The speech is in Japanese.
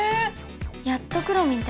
やっとくろミン